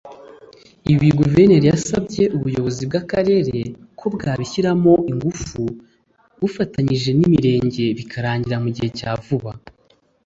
Ibi Guverineri yasabye ubuyobozi bw’akarere ko bwabishyiramo ingufu bufatanyije n’imirenge bikarangira mu gihe cya vuba